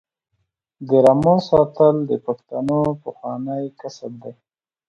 د رمو ساتل د پښتنو پخوانی کسب دی.